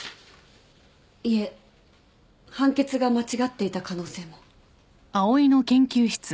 いえ判決が間違っていた可能性も。